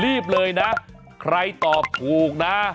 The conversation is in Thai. รีบเลยนะใครตอบถูกนะ